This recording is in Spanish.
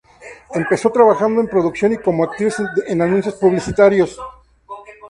Empezó trabajando en producción y como actriz en anuncios publicitarios.